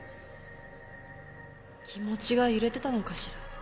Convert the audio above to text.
気持ちが揺れてたのかしら。